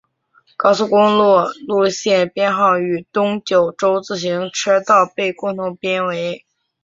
高速公路路线编号与东九州自动车道被共同编为。